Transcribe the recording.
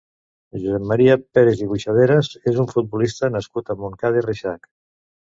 Josep Maria Pérez i Boixaderas és un futbolista nascut a Montcada i Reixac.